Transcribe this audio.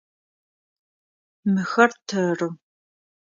Мыхэр тэры.